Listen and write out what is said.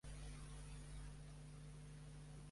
Un dels seus impulsors fou l'actual president Pep Melendres.